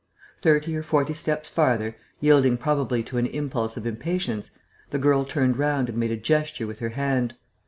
Thirty or forty steps farther, yielding probably to an impulse of impatience, the girl turned round and made a gesture with her hand.